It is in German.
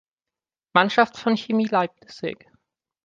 Mannschaft von Chemie Leipzig.